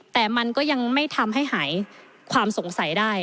แต่มันก็ยังไม่ทำให้หายความสงสัยได้